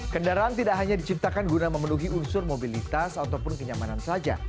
kendaraan tidak hanya diciptakan guna memenuhi unsur mobilitas ataupun kenyamanan saja